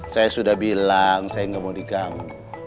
saya sudah bilang saya nggak mau diganggu